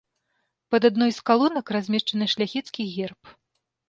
Пад адной з калонак размешчаны шляхецкі герб.